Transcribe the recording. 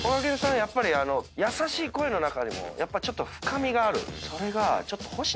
やっぱり優しい声の中にもちょっと深みがある。